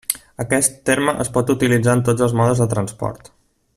Aquest terme es pot utilitzar en tots els modes de transport.